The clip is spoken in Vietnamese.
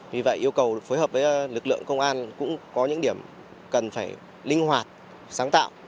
vì vậy yêu cầu phối hợp với lực lượng công an cũng có những điểm cần phải linh hoạt sáng tạo